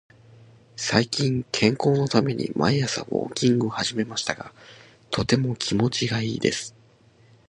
最近、健康のために毎朝ウォーキングを始めましたが、とても気持ちがいいです。